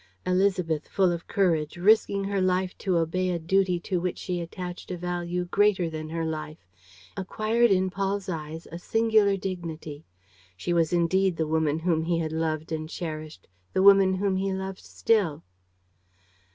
Élisabeth, full of courage, risking her life to obey a duty to which she attached a value greater than her life, acquired in Paul's eyes a singular dignity. She was indeed the woman whom he had loved and cherished, the woman whom he loved still.